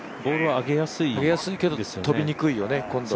上げやすいけど飛びにくいよね、今度。